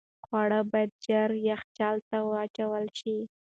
خواړه باید ژر یخچال ته واچول شي.